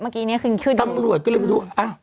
เมื่อกี้เนี้ยคือดูตำรวจก็เลยมาดูอ่า